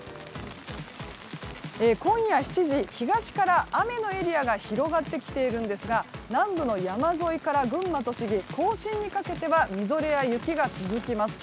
今夜７時、東から雨のエリアが広がってきているんですが南部の山沿いから群馬、栃木甲信にかけてはみぞれや雪が続きます。